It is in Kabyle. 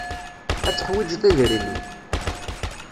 Ad teḥwijeḍ idrimen.